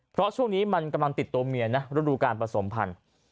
เพราะช่วงนี้มันกำลังติดตัวเมียนะฤดูการผสมพันธุ์